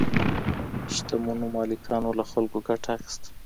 شتمنو مالکانو له خلګو ګټه اخیسته.